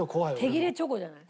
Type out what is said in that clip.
手切れチョコじゃない？